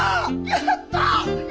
やった！